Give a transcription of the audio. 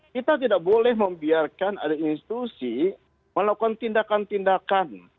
kita tidak boleh membiarkan ada institusi melakukan tindakan tindakan